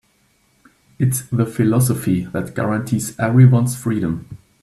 It's the philosophy that guarantees everyone's freedom.